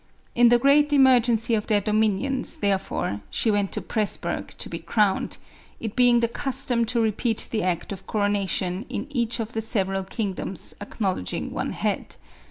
In the great emergency of her dominions, therefore, she wfiit to Presburg to be crowned, it being the cus tom to repeat the act of coronation in each of the several kingdoms acknowledging one head.